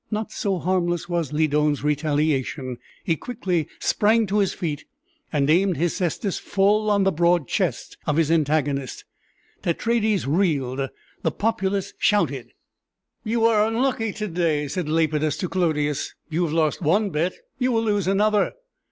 Not so harmless was Lydon's retaliation; he quickly sprang to his feet, and aimed his cestus full on the broad chest of his antagonist. Tetraides reeled the populace shouted. "You are unlucky to day," said Lepidus to Clodius: "you have lost one bet; you will lose another."